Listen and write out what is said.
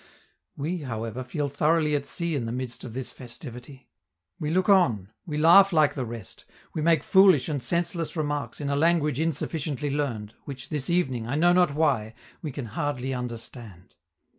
We, however, feel thoroughly at sea in the midst of this festivity; we look on, we laugh like the rest, we make foolish and senseless remarks in a language insufficiently learned, which this evening, I know not why, we can hardly understand.